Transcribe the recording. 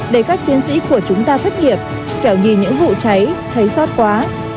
để các chiến sĩ của chúng ta thất nghiệp kẻo nhìn những vụ cháy thấy xót quá